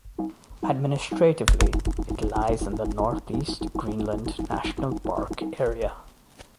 Administratively it lies in the Northeast Greenland National Park area.